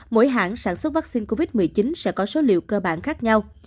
mỗi hãng sản xuất vaccine covid một mươi chín sẽ có số liệu cơ bản khác nhau